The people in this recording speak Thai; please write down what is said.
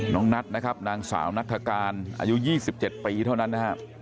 นัทนะครับนางสาวนัฐกาลอายุ๒๗ปีเท่านั้นนะครับ